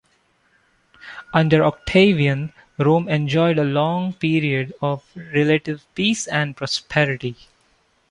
Under Octavian, Rome enjoyed a long period of relative peace and prosperity.